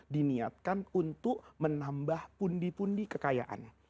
diniatkan untuk menambah pundi pundi kekayaan